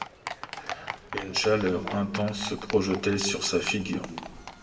Une chaleur intense se projetait sur sa figure.